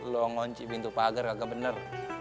lo ngonci pintu pagar gak bener